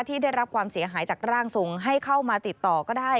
ที่ได้รับความเสียหายจากร่างทรงให้เข้ามาติดต่อก็ได้